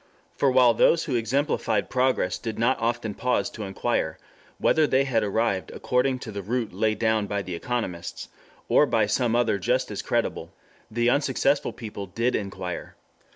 For while those who exemplified progress did not often pause to inquire whether they had arrived according to the route laid down by the economists, or by some other just as creditable, the unsuccessful people did inquire.